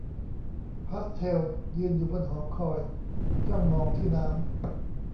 พาสเทลยืนอยู่บนหอคอยจ้องมองที่น้ำ